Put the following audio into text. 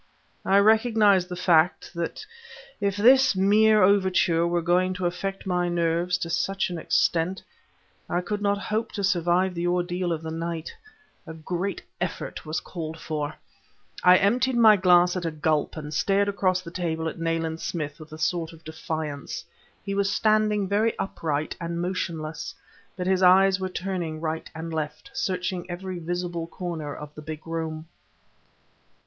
I recognized the fact that if this mere overture were going to affect my nerves to such an extent, I could not hope to survive the ordeal of the night; a great effort was called for. I emptied my glass at a gulp, and stared across the table at Nayland Smith with a sort of defiance. He was standing very upright and motionless, but his eyes were turning right and left, searching every visible corner of the big room.